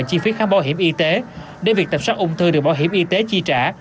chi phí khám bảo hiểm y tế để việc tầm soát ung thư được bảo hiểm y tế chi trả